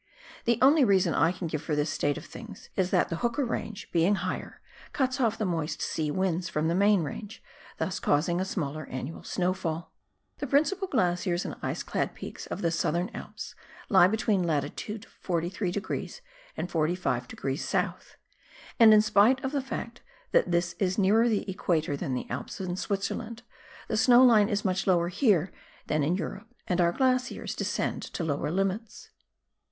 The only reason I can give for this state of things is that the Hooker range, being higher, cuts off the moist sea winds from the main range, thus causing a smaller annual snow fall. The principal glaciers and ice clad peaks of the Southern Alps lie between lat. 43^ and 45^ S., and in spite of the fact that this is nearer the Equator than the Alps in Switzerland, the snow line is much lower here tban in Europe, and our glaciers descend to lower altitudes.